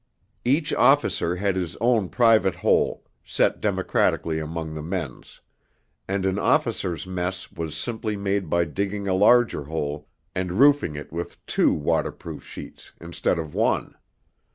Each officer had his own private hole, set democratically among the men's; and an officers' mess was simply made by digging a larger hole, and roofing it with two waterproof sheets instead of one.